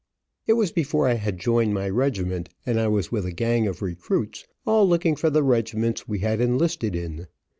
It was before I had joined my regiment, and I was with a gang of recruits, all looking for the regiments we had enlisted in.